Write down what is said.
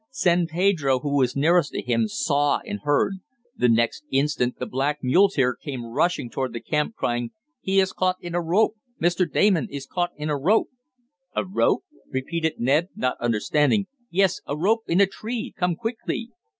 San Pedro, who was nearest to him, saw and heard. The next instant the black muleteer came rushing toward the camp, crying: "He is caught in a rope! Mr. Damon is caught in a rope!" "A rope!" repeated Ned, not understanding. "Yes, a rope in a tree. Come quickly!"